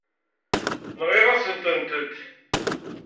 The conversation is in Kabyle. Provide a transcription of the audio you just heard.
Nɣiɣ-asent-tent.